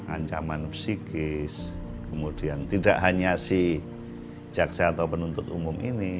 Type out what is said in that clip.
ancaman psikis kemudian tidak hanya si jaksa atau penuntut umum ini